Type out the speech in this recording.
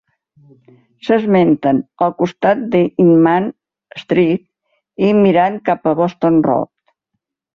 S'esmenten "al costat d'Inman Street" i "mirant cap a Boston Road".